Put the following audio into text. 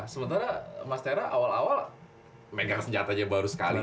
sementara mas tera awal awal megang senjatanya baru sekali